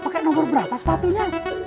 pakai nomor berapa sepatunya